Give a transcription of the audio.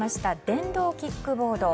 電動キックボード。